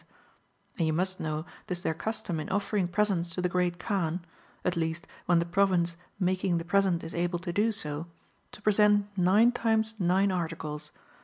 [And you must know 'tis their custoni in oifcring presents to the Great Kaan (at least when the province making the present is able to do so), to present nine times nine articles.